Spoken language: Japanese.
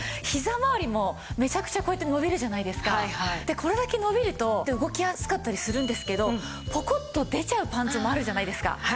これだけ伸びると動きやすかったりするんですけどポコッと出ちゃうパンツもあるじゃないですか？